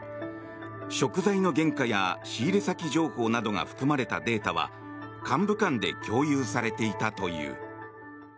食材の原価や仕入れ先情報などが含まれたデータは幹部間で共有されていたという。